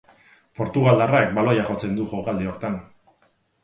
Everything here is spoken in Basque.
Portugaldarrak baloia jotzen du jokaldi hortan.